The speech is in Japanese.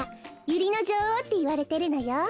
ユリのじょおうっていわれてるのよ。